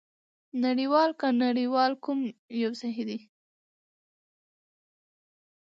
نړۍوال که نړیوال کوم یو صحي دی؟